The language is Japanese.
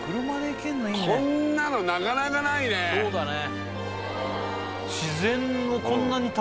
こんなのなかなかないねそうだね